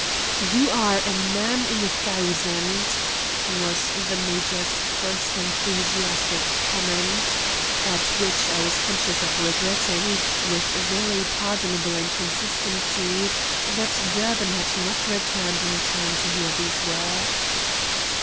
"You are a man in a thousand," was the major's first enthusiastic comment; at which I was conscious of regretting, with very pardonable inconsistency, that Durbin had not returned in time to hear these words.